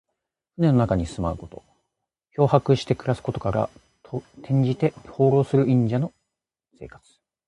船の中に住まうこと。漂泊して暮らすことから、転じて、放浪する隠者の生活。